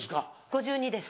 ５２です。